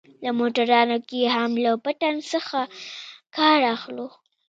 په موټرانو کښې هم له پټن څخه کار اخلو.